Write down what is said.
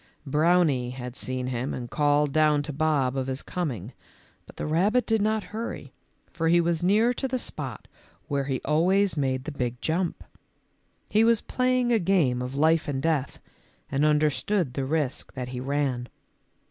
Browny had seen him and called down to Bob of his coming, but the rabbit did not hurry, for he was near to the spot where he always made the big jump. He was playing a game of life and death and understood the risk that he ran.